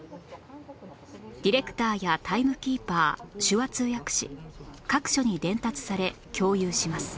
ディレクターやタイムキーパー手話通訳士各所に伝達され共有します